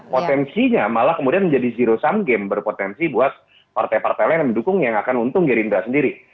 potensinya malah kemudian menjadi zero sum game berpotensi buat partai partai lain yang mendukung yang akan untung girindra sendiri